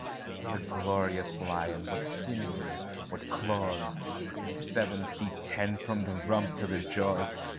What a glorious lion! what sinews what claws And seven feet ten from the rump to the jaws!